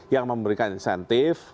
yang memberikan insentif